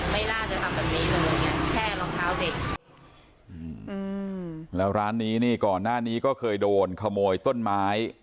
ไม่น่าจะทำแบบนี้เลยเนี้ยแค่รองเท้าเด็กอืมแล้วร้านนี้นี่ก่อนหน้านี้ก็เคยโดนขโมยต้นไม้